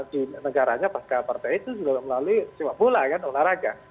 di negaranya pasca partai itu juga melalui sepak bola kan olahraga